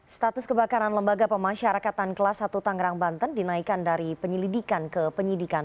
status kebakaran lembaga pemasyarakatan kelas satu tangerang banten dinaikkan dari penyelidikan ke penyidikan